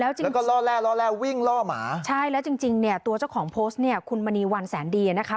จริงแล้วก็ล่อแร่ล่อแร่วิ่งล่อหมาใช่แล้วจริงจริงเนี่ยตัวเจ้าของโพสต์เนี่ยคุณมณีวันแสนดีอ่ะนะคะ